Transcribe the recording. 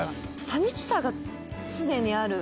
寂しさが常にある。